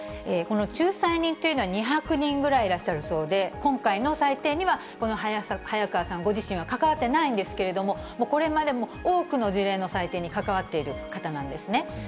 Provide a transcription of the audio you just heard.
この仲裁人というのは、２００人ぐらいいらっしゃるそうで、今回の裁定には、この早川さんご自身は関わってないんですけれども、もうこれまでも多くの事例の裁定に関わっている方なんですね。